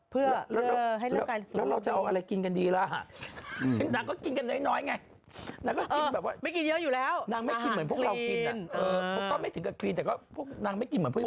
เพื่อให้ร่างกายสูง